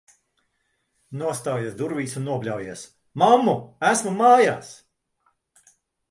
Nostājies durvīs un nobļaujies: "Mammu, esmu mājās!"